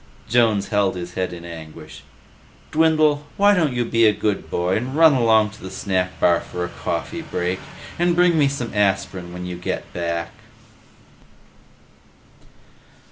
Jones held his head in anguish. "Dwindle, why don't you be a good boy and run along to the snack bar for a coffee break? And bring me some aspirin when you come back."